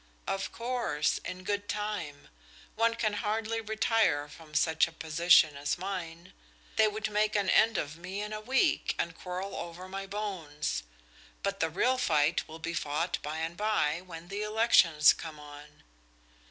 "Of course, in good time. One can hardly retire from such a position as mine; they would make an end of me in a week and quarrel over my bones. But the real fight will be fought by and by, when the elections come on."